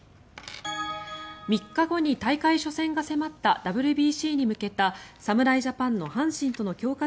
３日後に大会初戦が迫ったＷＢＣに向けた侍ジャパンの阪神との強化